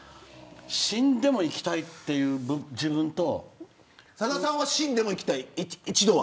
死んでも行きたいっていう自分とさださんは、死んでも行きたい一度は。